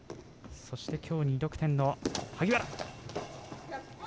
そしてきょう２得点の萩原。